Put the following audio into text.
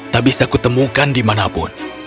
tak bisa kutemukan di mana pun